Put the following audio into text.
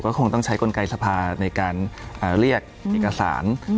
ก็คงต้องใช้กลไกสภาในการเรียกเอกสาร